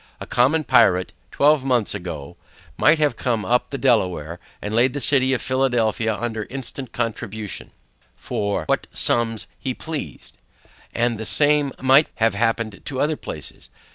A common pirate, twelve months ago, might have come up the Delaware, and laid the city of Philadelphia under instant contribution, for what sum he pleased; and the same might have happened to other places.